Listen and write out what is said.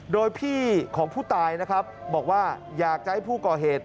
โดยพี่ของผู้ตายนะครับบอกว่าอยากจะให้ผู้ก่อเหตุ